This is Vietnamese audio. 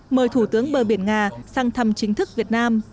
mời thủ tướng bờ biển nga sang thăm chính thức việt nam